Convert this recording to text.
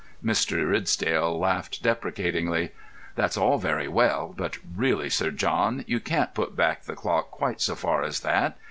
Mr. Ridsdale laughed deprecatingly. "That's all very well; but, really, Sir John, you can't put back the clock quite so far as that.